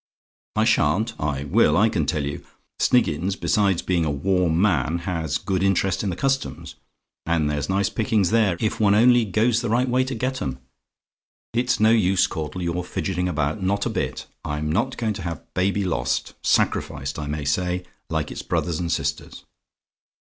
"I SHAN'T? "I will, I can tell you. Sniggins, besides being a warm man, has good interest in the Customs; and there's nice pickings there, if one only goes the right way to get 'em. It's no use, Caudle, your fidgetting about not a bit. I'm not going to have baby lost sacrificed, I may say, like its brothers and sisters.